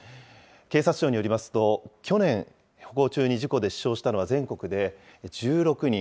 警察庁によりますと、去年、歩行中に事故で死傷したのは全国で１６人。